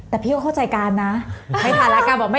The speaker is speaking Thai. แต่ผิวเข้าใจการนะ